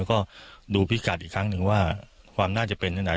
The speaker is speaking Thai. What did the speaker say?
แล้วก็ดูพิกัดอีกครั้งหนึ่งว่าความน่าจะเป็นที่ไหน